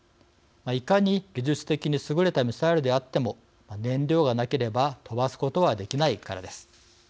いかに技術的に優れたミサイルであっても燃料がなければ飛ばすことはできないからです。